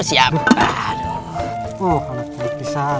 iya tuh kan mantep ini mah